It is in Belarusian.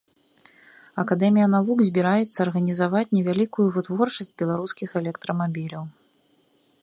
Акадэмія навук збіраецца арганізаваць невялікую вытворчасць беларускіх электрамабіляў.